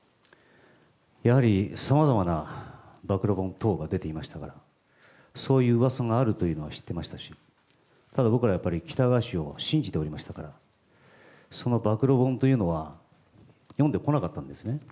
やはりさまざまな暴露本等が出ていましたから、そういううわさがあるというのは知ってましたし、ただ僕ら、やっぱり喜多川氏を信じておりましたから、その暴露本というのは、読んでこなかったんですね。